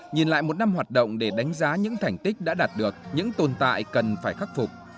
nhìn lại một năm hoạt động để đánh giá những thành tích đã đạt được những tồn tại cần phải khắc phục